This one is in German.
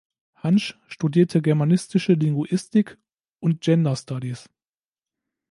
Hantzsch studierte germanistische Linguistik und Gender Studies.